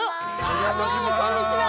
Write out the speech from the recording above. ああどうもこんにちは！